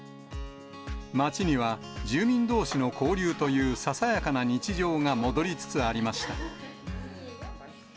街には住民どうしの交流という、ささやかな日常が戻りつつありました。